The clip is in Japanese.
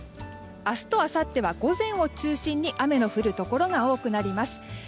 明日とあさっては午前を中心に雨の降るところが多くなります。